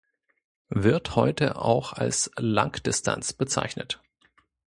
Wird heute auch als Langdistanz bezeichnet.